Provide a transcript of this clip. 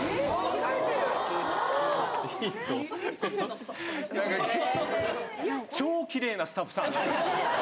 なんか、超きれいなスタッフさん。